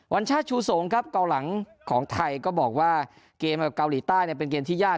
ัญชาติชูสงครับเกาหลังของไทยก็บอกว่าเกมกับเกาหลีใต้เป็นเกมที่ยาก